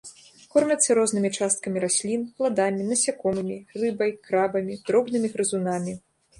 Кормяцца рознымі часткамі раслін, пладамі, насякомымі, рыбай, крабамі, дробнымі грызунамі.